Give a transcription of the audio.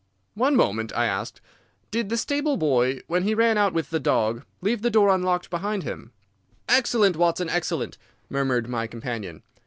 "One moment," I asked. "Did the stable boy, when he ran out with the dog, leave the door unlocked behind him?" "Excellent, Watson, excellent!" murmured my companion.